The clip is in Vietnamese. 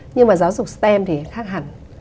nhưng mà giáo dục stem thì khác hẳn